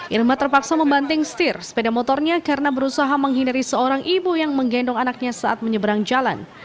irma terpaksa membanting setir sepeda motornya karena berusaha menghindari seorang ibu yang menggendong anaknya saat menyeberang jalan